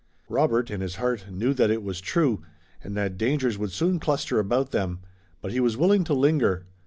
Robert, in his heart, knew that it was true, and that dangers would soon cluster about them, but he was willing to linger.